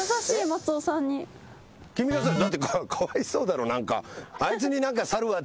だってかわいそうだろ何か。